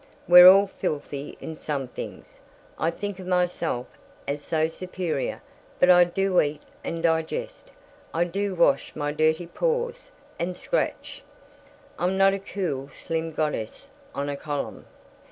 We're all filthy in some things. I think of myself as so superior, but I do eat and digest, I do wash my dirty paws and scratch. I'm not a cool slim goddess on a column.